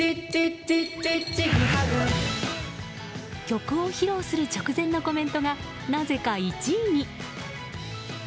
曲を披露する直前のコメントがなぜか１位に。